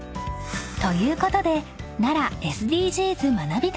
［ということで奈良ＳＤＧｓ学び旅はここまで］